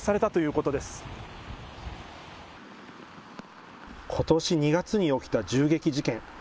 ことし２月に起きた銃撃事件。